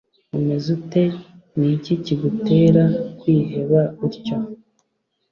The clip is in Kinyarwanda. umeze ute Ni iki kigutera kwiheba utyo